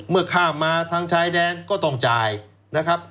ข้ามมาทางชายแดนก็ต้องจ่ายนะครับ